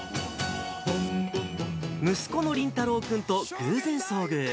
息子の琳太郎くんと偶然遭遇。